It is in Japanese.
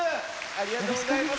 ありがとうございます。